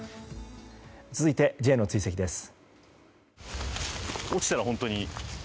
続いて、Ｊの追跡です。